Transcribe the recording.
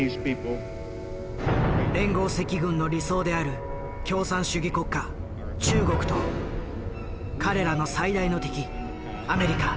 連合赤軍の理想である共産主義国家中国と彼らの最大の敵アメリカ。